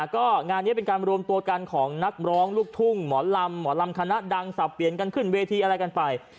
ก็งานนี้เป็นการรวมตัวกันของนักร้องลูกทุ่งหมอลำหมอลำคณะดังสับเปลี่ยนกันขึ้นเวทีอะไรกันไป